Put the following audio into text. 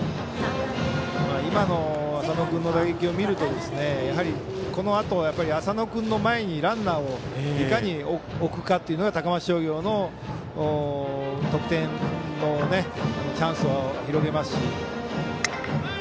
今の浅野君の打撃を見るとやはり、このあと浅野君の前にランナーをいかに置くかっていうのが高松商業の得点のチャンスを広げますし。